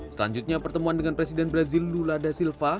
selanjutnya pertemuan dengan presiden brazil lula da silva